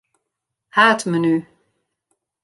Haadmenu.